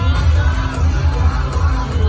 มันเป็นเมื่อไหร่แล้ว